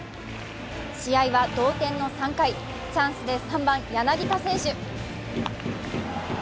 試合は同点の３回、チャンスで３番・柳田選手。